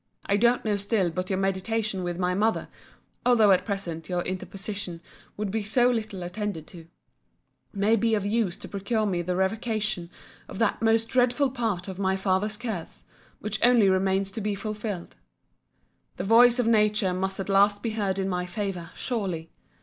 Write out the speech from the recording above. I don't know still but your mediation with my mother (although at present your interposition would be so little attended to) may be of use to procure me the revocation of that most dreadful part of my father's curse, which only remains to be fulfilled. The voice of Nature must at last be heard in my favour, surely.